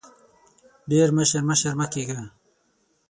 ډېر مشر مشر مه کېږه !